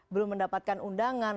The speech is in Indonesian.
belum mendapatkan undangan